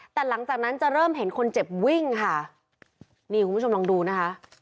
แต่หลังจากนั้นจะเริ่มเห็นคนเจ็บวิ่งค่ะนี่คุณผู้ชมลองดูนะคะ